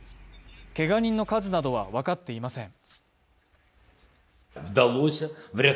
けが人の数などは分かっていません。